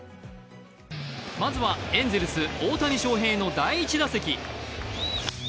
まずは、エンゼルス大谷翔平の第１打席。